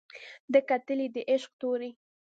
ده کتلى د عشق تورى